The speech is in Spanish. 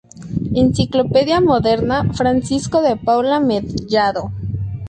Enciclopedia moderna, Francisco de Paula Mellado